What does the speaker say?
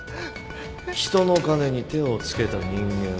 人の金に手をつけた人間は？